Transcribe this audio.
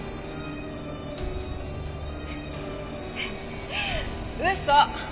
フフッ嘘！